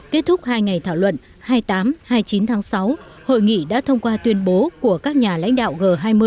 kết thúc hai ngày thảo luận hai mươi tám hai mươi chín tháng sáu hội nghị đã thông qua tuyên bố của các nhà lãnh đạo g hai mươi